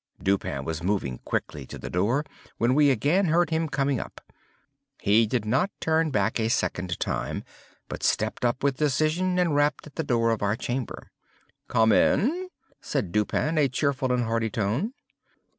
Dupin was moving quickly to the door, when we again heard him coming up. He did not turn back a second time, but stepped up with decision, and rapped at the door of our chamber. "Come in," said Dupin, in a cheerful and hearty tone.